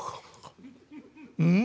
うん！